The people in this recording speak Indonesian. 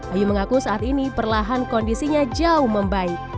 ayu mengaku saat ini perlahan kondisinya jauh membaik